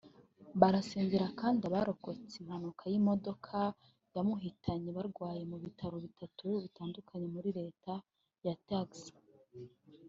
Barasengera kandi abarokotse impanuka y’imodoka yamuhitanye barwariye mu bitaro bitatu bitandukanye muri Leta ya Texas